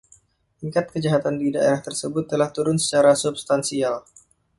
Tingkat kejahatan di daerah tersebut telah turun secara substansial.